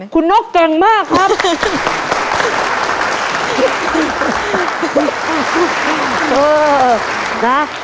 คุณนกเก่งมากครับ